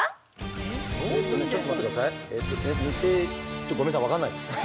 ちょっとごめんなさい分かんないです。